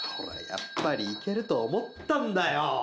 やっぱりいけると思ったんだよ